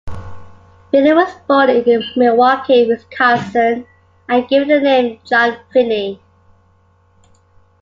Finney was born in Milwaukee, Wisconsin and given the name John Finney.